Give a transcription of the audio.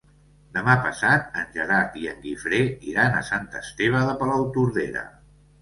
Demà passat en Gerard i en Guifré iran a Sant Esteve de Palautordera.